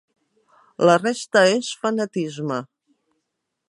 La resta és fanatisme.